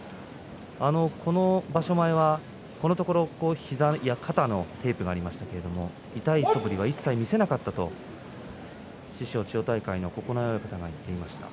この場所前は、このところ膝や肩のテープがありましたけれども痛いそぶりは一切見せなかったと師匠千代大海の九重親方が言っていました。